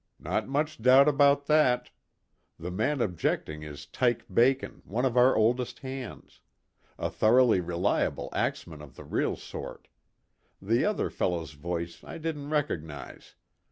"Not much doubt about that. The man objecting is 'Tyke' Bacon, one of our oldest hands. A thoroughly reliable axeman of the real sort. The other fellow's voice I didn't recognize.